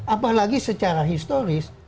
apalagi secara historis